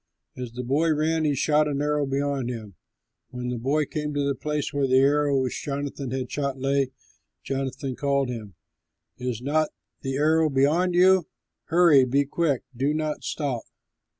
As the boy ran, he shot an arrow beyond him. When the boy came to the place where the arrow which Jonathan had shot lay, Jonathan called to him, "Is not the arrow beyond you? Hurry, be quick, do not stop!"